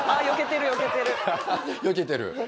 よけてる。